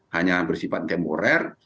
hanya bersifat temporer